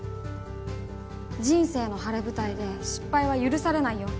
人生の晴れ舞台で失敗は許されないよ。